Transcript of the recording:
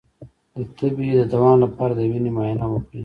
د تبې د دوام لپاره د وینې معاینه وکړئ